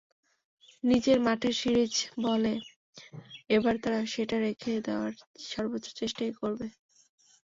নিজের মাঠে সিরিজ বলে এবার তারা সেটা রেখে দেওয়ার সর্বোচ্চ চেষ্টাই করবে।